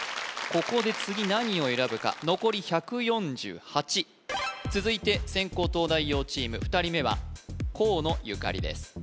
ここで次何を選ぶか残り１４８続いて先攻東大王チーム２人目は河野ゆかりです